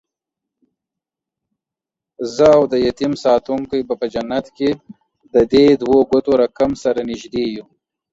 زه اودیتیم ساتونکی به په جنت کې ددې دوو ګوتو رکم، سره نږدې یو